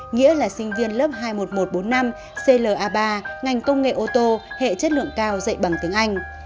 nghĩa là sinh viên lớp hai mươi một nghìn một trăm bốn mươi năm cla ba ngành công nghệ ô tô hệ chất lượng cao dạy bằng tiếng anh